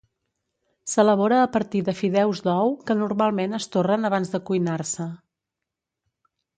S'elabora a partir de fideus d'ou que normalment es torren abans de cuinar-se.